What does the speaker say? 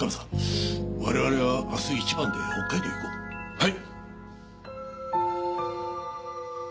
はい。